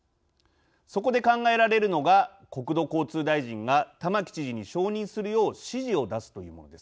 そこで考えられるのが国土交通大臣が玉城知事に承認するよう指示を出すというものです。